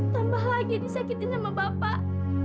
tambah lagi disakitin sama bapak